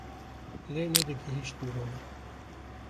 lê nedigihîşt mirovan.